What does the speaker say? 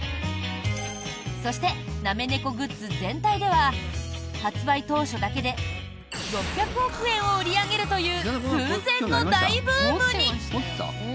そして、なめ猫グッズ全体では発売当初だけで６００億円を売り上げるという空前の大ブームに。